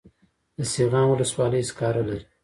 د سیغان ولسوالۍ سکاره لري